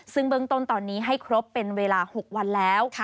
ซึ่งเบื้องต้นตอนนี้ให้ครบเป็นเวลา๖วันแล้ว